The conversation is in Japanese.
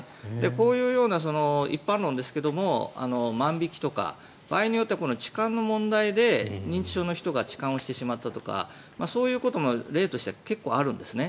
こういうような一般論ですが万引きとか場合によっては痴漢の問題で認知症の人が痴漢をしてしまったとかそういうことも例として結構あるんですね。